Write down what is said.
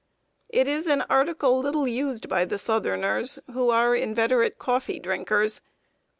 It is an article little used by the Southerners, who are inveterate coffee drinkers.